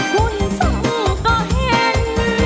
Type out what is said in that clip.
หุ่นสูงก็เห็น